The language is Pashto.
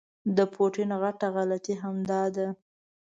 د پوټین غټه غلطي همدا ده.